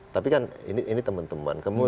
tapi kan ini teman teman